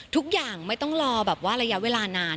ทุกอย่างไม่ต้องรอระยะเวลานาน